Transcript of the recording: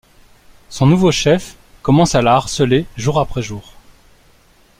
Son nouveau chef commence à la harceler jour après jour.